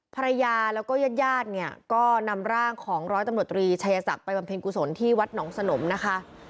ภรรยาแล้วก็ญาติญาติเนี่ยก็นำร่างของร้อยตำรวจตรีชัยศักดิ์ไปบำเพ็ญกุศลที่วัดหนองสนมนะคะ